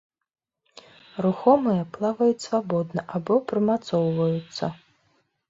Рухомыя, плаваюць свабодна або прымацоўваюцца.